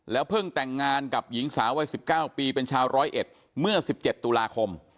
เพิ่งแต่งงานกับหญิงสาววัย๑๙ปีเป็นชาวร้อยเอ็ดเมื่อ๑๗ตุลาคม